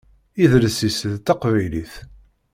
Idles-is d taqbaylit.